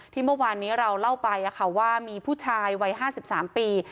ที่เมื่อวานนี้เราเล่าไปอ่ะค่ะว่ามีผู้ชายวัยห้าสิบสามปี